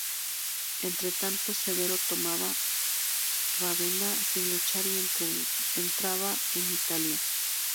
Entre tanto, Severo tomaba Rávena sin luchar y entraba en Italia.